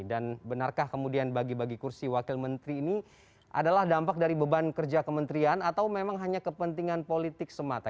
dan benarkah kemudian bagi bagi kursi wakil menteri ini adalah dampak dari beban kerja kementerian atau memang hanya kepentingan politik semata